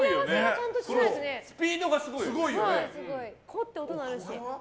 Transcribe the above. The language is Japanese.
スピードがすごいよね。